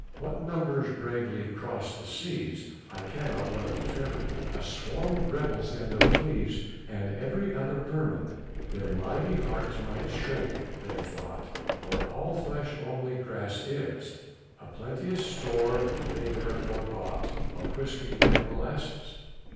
What numbers bravely cross'd the seas, I cannot well determine, A swarm of rebels and of fleas, And every other vermin. Their mighty hearts might shrink they tho't, For all flesh only grass is, A plenteous store they therefore bought Of whiskey and molasses.